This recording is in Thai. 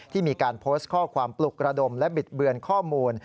มีการโพสต์ข้อความปลุกระดมและบิดเบือนข้อมูล